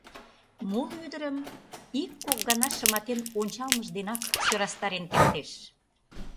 Моло ӱдырым ик-кок гана шыматен ончалмыж денак сӧрастарен кертеш.